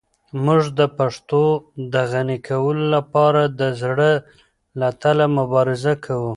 موږ د پښتو د غني کولو لپاره د زړه له تله مبارزه کوو.